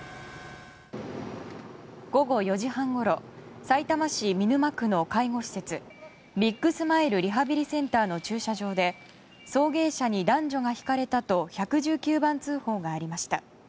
午後４時半ごろさいたま市見沼区の介護施設ビッグスマイルリハビリセンターの駐車場で送迎車に男女がひかれたと１１９番通報がありました。